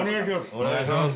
お願いします。